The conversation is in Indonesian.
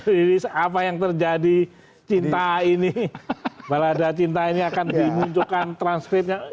rilis apa yang terjadi cinta ini balada cinta ini akan dimunculkan transkripnya